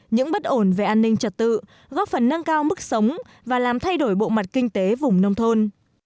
những bất ổn về an ninh trật tự góp phần nâng cao mức sống và làm thay đổi bộ mặt kinh tế vùng nông thôn